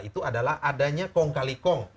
itu adalah adanya kong kali kong